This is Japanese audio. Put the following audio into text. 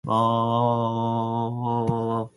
醤油をとってください